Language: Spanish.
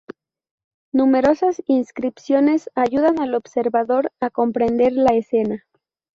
Numerosas inscripciones ayudan al observador a comprender la escena.